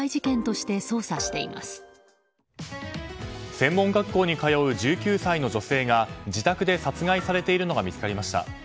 専門学校に通う１９歳の女性が自宅で殺害されているのが見つかりました。